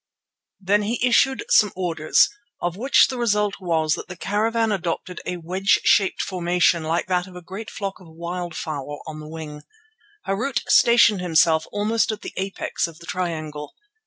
Then he issued some orders, of which the result was that the caravan adopted a wedge shaped formation like to that of a great flock of wildfowl on the wing. Harût stationed himself almost at the apex of the triangle.